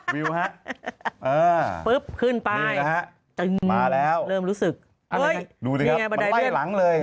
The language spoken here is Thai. วิวฮะเออนี่นะฮะเริ่มรู้สึกโอ๊ยมันไล่หลังเลย